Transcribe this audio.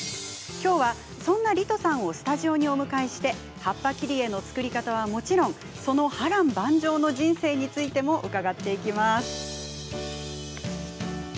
きょうは、そんなリトさんをスタジオにお迎えして葉っぱ切り絵の作り方はもちろんその波乱万丈の人生についても伺います。